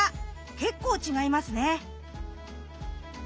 結構違いますね。